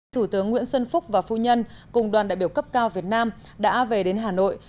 thủ tướng nguyễn xuân phúc và phu nhân cùng đoàn đại biểu cấp cao việt nam đã về đến hà nội